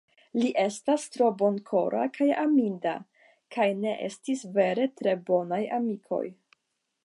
Li estas tro bonkora kaj aminda; kaj ne estis vere tre bonaj amikoj.